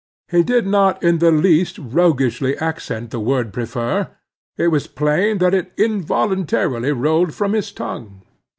He did not in the least roguishly accent the word prefer. It was plain that it involuntarily rolled from his tongue.